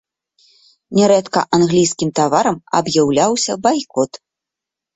Нярэдка англійскім таварам аб'яўляўся байкот.